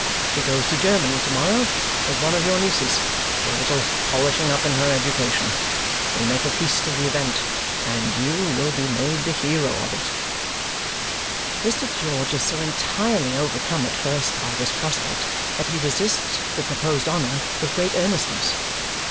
She goes to Germany to morrow with one of your nieces for a little polishing up in her education. We make a feast of the event, and you will be made the hero of it." Mr. George is so entirely overcome at first by this prospect that he resists the proposed honour with great earnestness.